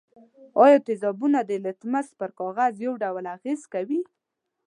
آیا تیزابونه د لتمس پر کاغذ یو ډول اغیزه کوي؟